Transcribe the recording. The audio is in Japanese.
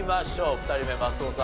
２人目松尾さん